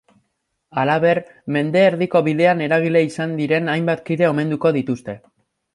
Halaber, mende erdiko bidean eragile izan diren hainbat kide omenduko dituzte.